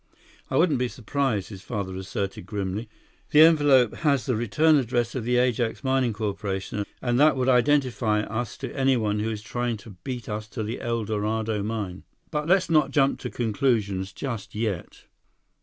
"I wouldn't be surprised," his father asserted grimly. "The envelope has the return address of the Ajax Mining Corporation, and that would identify us to anyone who is trying to beat us to the El Dorado mine. But let's not jump to conclusions just yet."